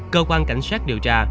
cơ quan cảnh sát điều tra